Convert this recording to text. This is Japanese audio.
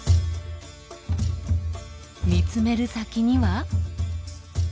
見つめる先には。